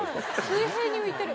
水平に浮いてる。